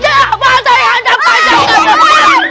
ya allah saya ada banyak kecewa